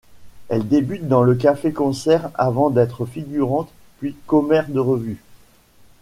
Elle débute dans le Café-concert avant d'être figurante puis commère de revue.